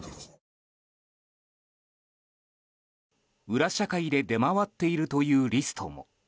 裏社会で出回っているというリストも。